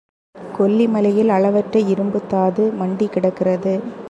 கொல்லி மலையில் அளவற்ற இரும்புத்தாது மண்டிக்கிடக்கிறது.